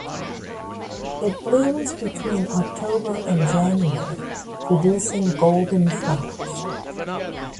It blooms between October and January producing golden flowers.